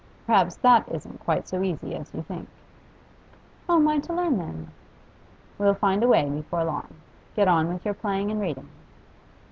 Perhaps that isn't quite so easy as you think.' 'How am I to learn then?' 'We'll find a way before long. Get on with your playing and reading.